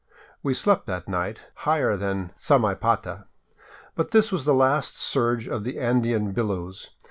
We slept that night higher than Samaipata. But this was the last surge of the Andean billows.